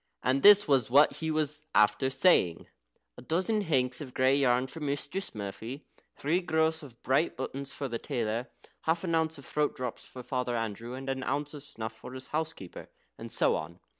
And this was what he was after saying: "A dozen hanks of grey yarn for Mistress Murphy." "Three gross of bright buttons for the tailor." "Half an ounce of throat drops for Father Andrew, and an ounce of snuff for his housekeeper," and so on.